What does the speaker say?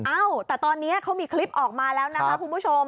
เอ้าแต่ตอนนี้เขามีคลิปออกมาแล้วนะคะคุณผู้ชม